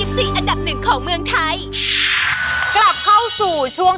ต่อไปนี้นะคะใครที่เกิดเดือนธันวาคมต้องตั้งใจฟังดีค่ะอาจารย์คะเชิญค่ะ